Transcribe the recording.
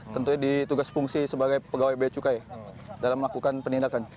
tentunya di tugas fungsi sebagai pegawai bea cukai dalam melakukan penindakan